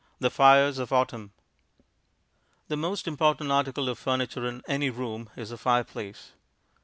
The Fires of Autumn The most important article of furniture in any room is the fireplace.